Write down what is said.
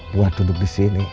buat duduk di sini